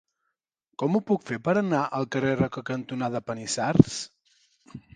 Com ho puc fer per anar al carrer Roca cantonada Panissars?